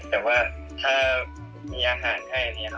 แต่ว่าถ้ามีอาหารให้อันนี้ค่ะ